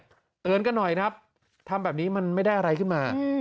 เตือนกันหน่อยครับทำแบบนี้มันไม่ได้อะไรขึ้นมา